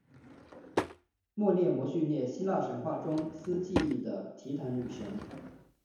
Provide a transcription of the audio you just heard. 谟涅摩叙涅希腊神话中司记忆的提坦女神。